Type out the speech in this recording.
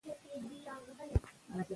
ماشوم کولی سي ازاد فکر ولري.